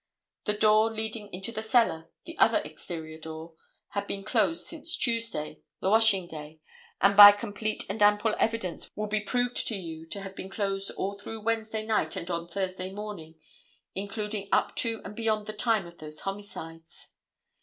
The door leading into the cellar, the other exterior door, had been closed since Tuesday, the washing day, and by complete and ample evidence will be proved to you to have been closed all through Wednesday night and on Thursday morning including up to and beyond the time of those homicides.